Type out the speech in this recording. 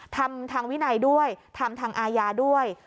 ทำทางวินัยด้วยทำทางอาญาด้วย